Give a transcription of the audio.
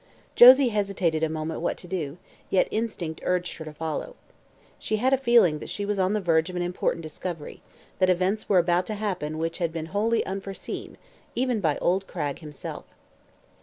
Josie hesitated a moment what to do, yet instinct urged her to follow. She had a feeling that she was on the verge of an important discovery, that events were about to happen which had been wholly unforeseen even by old Cragg himself.